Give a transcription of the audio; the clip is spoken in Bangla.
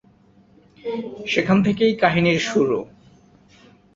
সেখান থেকেই কাহিনীর শুরু।